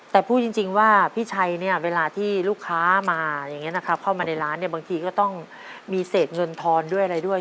แต่พูดจริงว่าพี่ชัยเนี่ยเวลาที่ลูกค้ามาอย่างนี้นะครับเข้ามาในร้านเนี่ยบางทีก็ต้องมีเศษเงินทอนด้วยอะไรด้วย